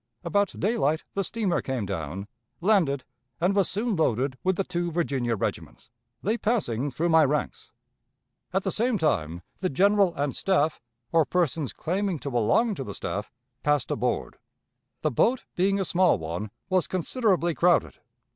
About daylight the steamer came down, landed, and was soon loaded with the two Virginia regiments, they passing through my ranks. At the same time the General and staff, or persons claiming to belong to the staff, passed aboard. The boat, being a small one, was considerably crowded.